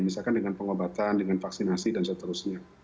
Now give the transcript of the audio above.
misalkan dengan pengobatan dengan vaksinasi dan seterusnya